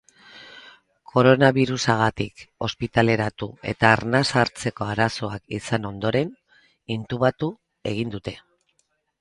Koronabirusagatik ospitaleratu eta arnasa hartzeko arazoak izan ondoren, intubatu egin dute.